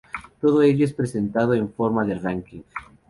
Todo ello es presentado en forma de "ranking".